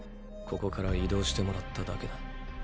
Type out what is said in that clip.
ここから移動してもらっただけだ。